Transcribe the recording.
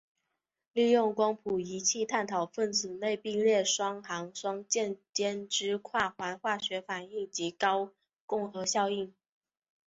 利用光谱仪器探讨分子内并列平行双键间之跨环化学反应及高共轭效应。